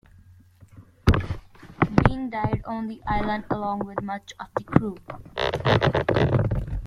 Bering died on the island along with much of the crew.